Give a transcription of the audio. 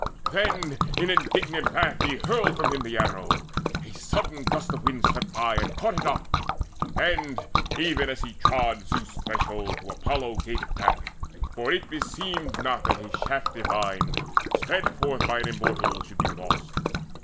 Then in indignant wrath he hurled from him The arrow: a sudden gust of wind swept by, And caught it up, and, even as he trod Zeus' threshold, to Apollo gave it back; For it beseemed not that a shaft divine, Sped forth by an Immortal, should be lost.